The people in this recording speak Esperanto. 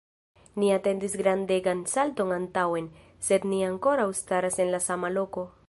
Ni atendis grandegan salton antaŭen, sed ni ankoraŭ staras en la sama loko.